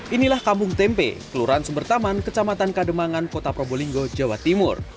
inilah kampung tempe kelurahan sumbertaman kecamatan kademangan kota probolinggo jawa timur